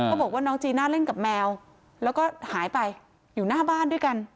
บอกว่าน้องจีน่าเล่นกับแมวแล้วก็หายไปอยู่หน้าบ้านด้วยกัน